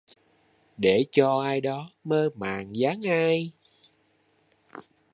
Để cho ai đó mơ màng dáng ai